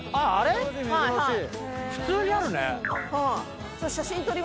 普通にあるね。